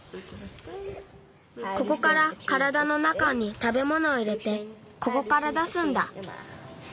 ここからからだの中にたべものを入れてここから出すんだ。